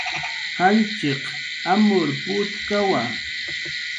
Janchiq amur putkawa